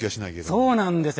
そうなんですよ。